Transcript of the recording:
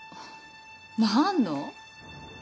何の？